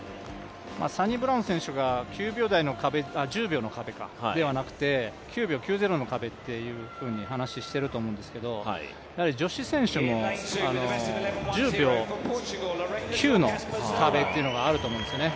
サニブラウン選手が１０秒の壁ではなくて９秒９０の壁というふうに話をしていると思うんですけど女子選手も１０秒９の壁っていうのがあると思うんですよね。